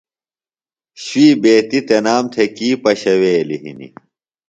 شُوئی بیتیۡ تنام تھےۡ کی پشَویلیۡ ہنیۡ؟